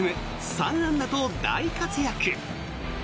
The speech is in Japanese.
３安打と大活躍。